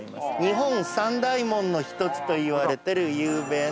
日本三大門の一つといわれてる有名な三門。